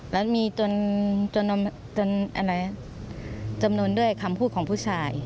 แล้วมีจนอะไรจำนวนด้วยคำพูดของผู้ชาย